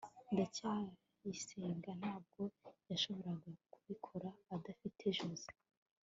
ndacyayisenga ntabwo yashoboraga kubikora adafite joze